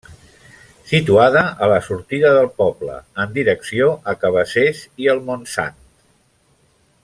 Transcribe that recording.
Situada a la sortida del poble, en direcció a Cabassers i el Montsant.